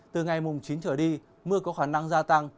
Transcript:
từ ngày mùng chín trở đi mưa có khả năng gia tăng